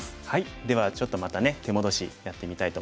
ではちょっとまたね手戻しやってみたいと思います。